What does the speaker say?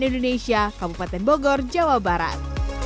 indonesia kabupaten bogor jawa barat